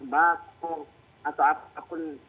baku atau apapun